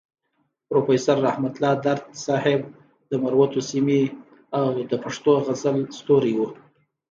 پروفيسور رحمت الله درد صيب د مروتو سيمې او د پښتو غزل ستوری وو.